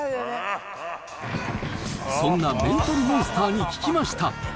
そんなメンタルモンスターに聞きました。